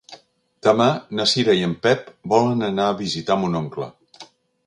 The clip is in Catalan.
Demà na Cira i en Pep volen anar a visitar mon oncle.